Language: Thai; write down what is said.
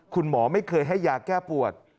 คุณหมอไม่เคยให้ยาแก้ปวด